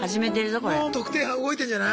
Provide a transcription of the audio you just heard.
もう特定班動いてんじゃない？